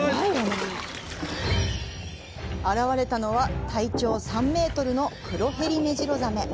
あらわれたのは体長３メートルのクロヘリメジロザメ。